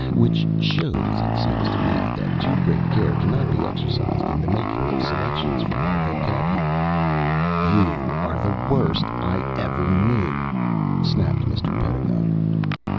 Which shows, it seems to me, that too great care cannot be exercised in the making of selections from our vocabu " "You are the worst I ever knew!" snapped Mr. Pedagog.